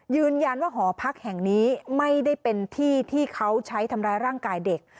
หอพักแห่งนี้ไม่ได้เป็นที่ที่เขาใช้ทำร้ายร่างกายเด็ก